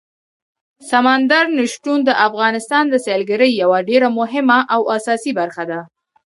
سمندر نه شتون د افغانستان د سیلګرۍ یوه ډېره مهمه او اساسي برخه ده.